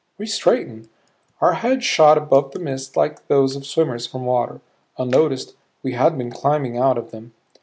We straightened. Our head shot above the mists like those of swimmers from water. Unnoticed, we had been climbing out of them.